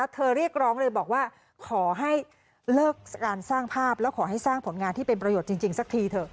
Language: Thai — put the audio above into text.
เรียกร้องเลยบอกว่าขอให้เลิกการสร้างภาพแล้วขอให้สร้างผลงานที่เป็นประโยชน์จริงสักทีเถอะ